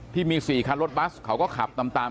ที่มี๔คันรถบัสเขาก็ขับตาม